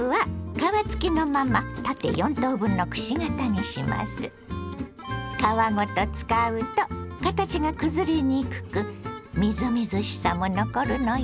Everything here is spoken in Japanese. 皮ごと使うと形がくずれにくくみずみずしさも残るのよ。